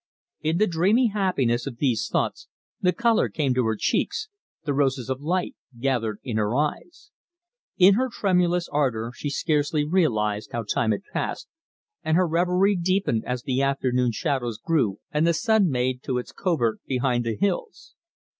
In the dreamy happiness of these thoughts the colour came to her cheeks, the roses of light gathered in her eyes. In her tremulous ardour she scarcely realised how time passed, and her reverie deepened as the afternoon shadows grew and the sun made to its covert behind the hills.